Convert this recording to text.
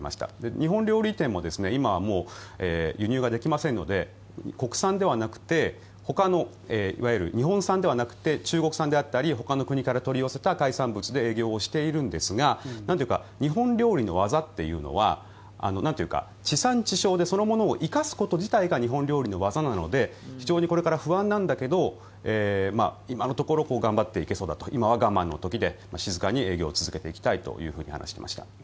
日本料理店も今はもう、輸入ができませんので国産ではなくてほかのいわゆる日本産ではなくて中国産であったりほかの国から取り寄せた海産物で営業をしているんですが日本料理の技というのは地産地消でそのものを生かすこと自体が日本料理の技なのでこれから非常に不安なんだけど今のところ頑張っていけそうだと今は我慢の時で静かに営業を続けていきたいと話していました。